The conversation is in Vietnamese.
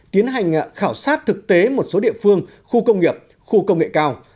tiến hành khảo sát thực tế một số địa phương khu công nghiệp khu công nghệ cao